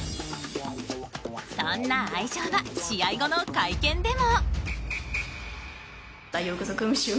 そんな愛情は試合後の会見でも。